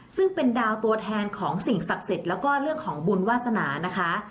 ซึ่งเป็นดาวตัวแทนของสิ่งศักดิ์สิทธิ์แล้วก็เรื่องของบุญวาสนานะคะ